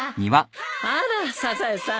あらサザエさん